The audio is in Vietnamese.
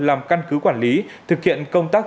làm căn cứ quản lý thực hiện công tác